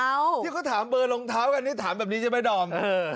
เอาที่เขาถามเบอร์ลองเท้ากันถามแบบนี้จะไม่ดอม